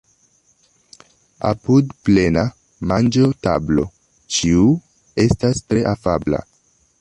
Apud plena manĝotablo ĉiu estas tre afabla.